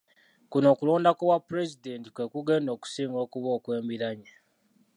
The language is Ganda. Kuno okulonda kw'obwapulezidenti kwe kugenda okusinga okuba okw'embiranye.